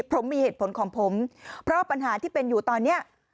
ผมมีเหตุผลของผมเพราะปัญหาที่เป็นอยู่ตอนนี้